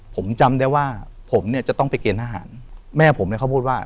ผมจำได้ว่าผมเนี่ยจะต้องไปเกณฑหารแม่ผมเนี่ยเขาพูดว่า